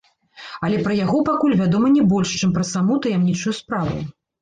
Але пра яго пакуль вядома не больш, чым пра саму таямнічую справу.